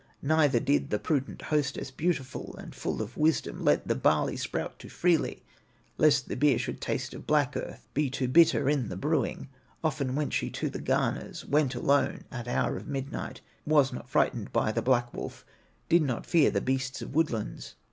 Neither did the prudent hostess, Beautiful, and full of wisdom, Let the barley sprout too freely, Lest the beer should taste of black earth, Be too bitter in the brewing; Often went she to the garners, Went alone at hour of midnight, Was not frightened by the black wolf, Did not fear the beasts of woodlands.